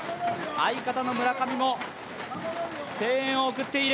相方の村上も声援を送っている。